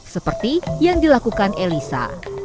seperti yang dilakukan elisa